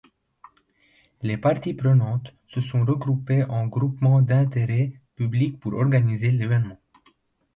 Les parties prenantes se sont regroupés en Groupement d'intérêt public pour organiser l'événement.